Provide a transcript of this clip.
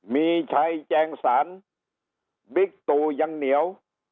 มีชัยแจงสารบิ๊กตูยังเหนียว